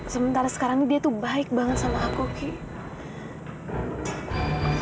sementara sekarang dia tuh baik banget sama aku gik